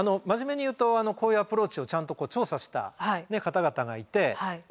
真面目に言うとこういうアプローチをちゃんと調査した方々がいて。